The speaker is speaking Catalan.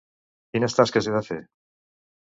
Quines tasques he de fer?